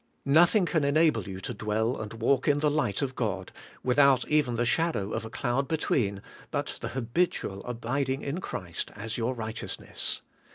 Nothing can enable you to dwell and walk in the light of God, without even the shadow of a cloud between, but the habitual abiding in Christ as your righteousness.